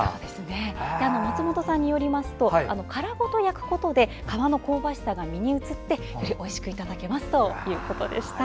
松本さんによりますと殻ごと焼くことで皮の香ばしさが身に移ってよりおいしくいただけます